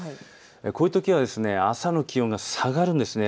こういうときは朝の気温が下がるんです。